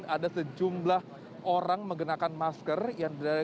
ada sejumlah orang menggunakan masker yang dari